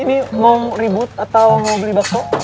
ini mau ribut atau mau beli bakso